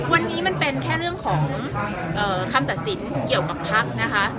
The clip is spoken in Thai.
วันนี้มันเป็นคำคำตัดสินอยู่กับภาคนะคะ